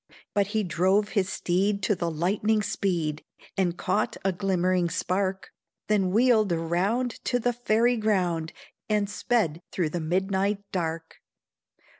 But he drove his steed to the lightning's speed, And caught a glimmering spark; Then wheeled around to the fairy ground, And sped through the midnight dark.